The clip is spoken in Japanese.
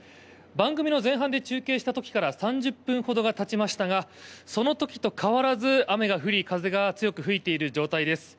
番組の前半で中継した時から３０分ほどがたちましたがその時と変わらず雨が降り風が強く吹いている状態です。